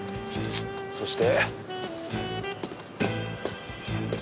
そして。